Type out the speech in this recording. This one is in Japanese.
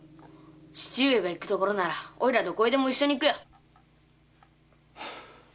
父上の行く所ならおいらどこへでも一緒に行くよ。